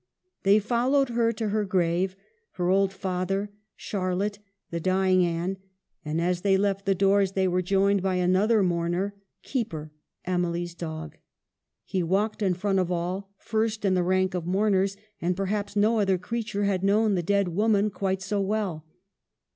They followed her to her grave, her old father, Charlotte, the dying Anne ; and as they left the doors, they were joined by another mourner, Keeper, Emily's dog. He walked in front of all, first in the rank of mourners ; and perhaps no other creature had known the dead woman quite so well.